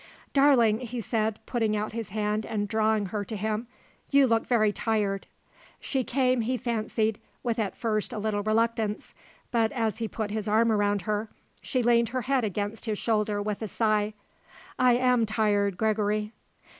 "Darling," he said, putting out his hand and drawing her to him; "you look very tired." She came, he fancied, with at first a little reluctance, but, as he put his arm around her, she leaned her head against his shoulder with a sigh. "I am tired, Gregory."